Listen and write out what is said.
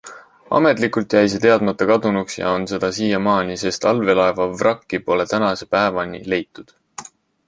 Ametlikult jäi see teadmata kadunuks ja on seda siiamaani, sest allveelaeva vrakki pole tänase päevani leitud.